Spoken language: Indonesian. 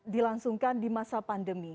dilangsungkan di masa pandemi